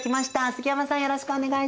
杉山さんよろしくお願いします。